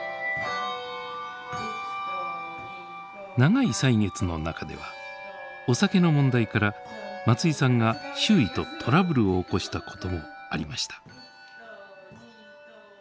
長い歳月の中ではお酒の問題から松井さんが周囲とトラブルを起こしたこともありました。